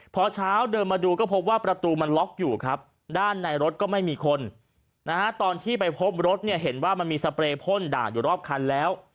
พอเช้าเดินมาดูก็พบว่าประตูมันล็อกอยู่ครับด้านในรถก็ไม่มีคนนะฮะตอนที่ไปพบรถเนี่ยเห็นว่ามันมีสเปรย์พ่นด่านอยู่รอบคันแล้ว